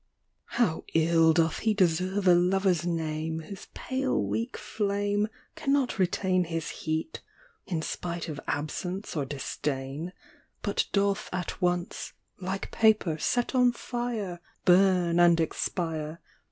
HOW ill doth lie deserve a Lover's name Whose pale weak flame Cannot retain His heat, in spite of absence or disdain ; But doth at once, like paper set on fire, Burn and expire